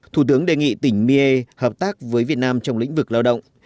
thủ tướng đề nghị tỉnh miên hợp tác với việt nam trong lĩnh vực lao động